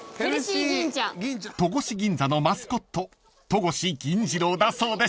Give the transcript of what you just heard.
［戸越銀座のマスコット戸越銀次郎だそうです］